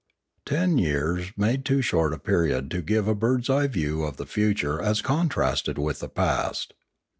Ten years made too short a period to give a bird's eye view of the future as contrasted with the past.